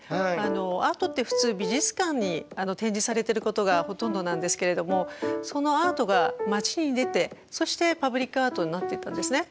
アートって普通美術館に展示されてることがほとんどなんですけれどもそのアートが街に出てそしてパブリックアートになっていったんですね。